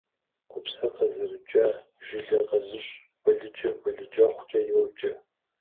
Купсэ къызэрыкӏа, жылэ къэзыщӏ балыджэм балыджэхъукӏэ йоджэ.